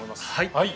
はい。